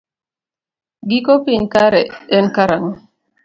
Giko piny kare en karang'o?